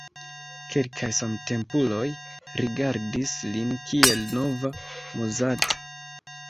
Kelkaj samtempuloj rigardis lin kiel nova Mozart.